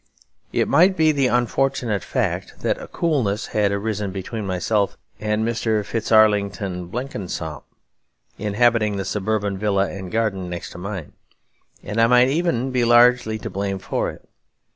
It might be the unfortunate fact that a coolness had arisen between myself and Mr. Fitzarlington Blenkinsop, inhabiting the suburban villa and garden next to mine; and I might even be largely to blame for it.